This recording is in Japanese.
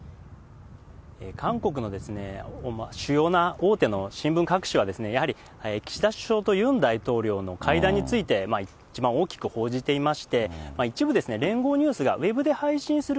韓国の主要な大手の新聞各紙は、やはり岸田首相とユン大統領の会談について一番大きく報じていまして、一部、聯合ニュースがウェブで配信する